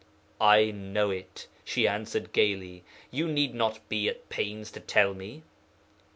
"I know it," she answered gaily; "you need not be at the pains to tell me."